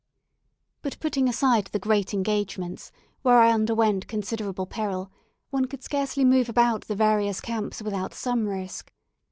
But putting aside the great engagements, where I underwent considerable peril, one could scarcely move about the various camps without some risk.